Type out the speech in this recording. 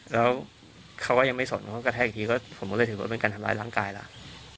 แล้วเขาก็ยังไม่สนเขาก็กระแทกอีกทีก็ผมก็เลยถือว่าเป็นการทำร้ายร่างกายล่ะ